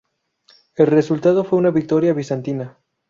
El resultado fue una victoria bizantina.